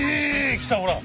来たほら。